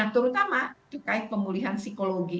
terutama terkait pemulihan psikologi